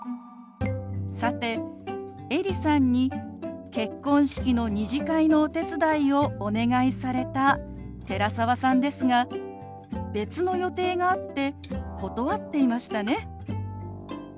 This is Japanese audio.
さてエリさんに結婚式の２次会のお手伝いをお願いされた寺澤さんですが別の予定があって断っていましたね。